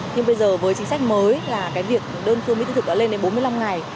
nhưng bây giờ với chính sách mới là việc đơn phương mới thực thực lên đến bốn mươi năm ngày